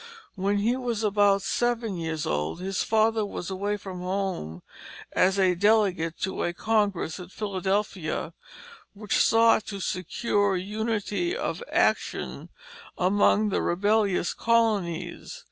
When he was about seven years old, his father was away from home as a delegate to a Congress in Philadelphia which sought to secure unity of action among the rebellious colonies.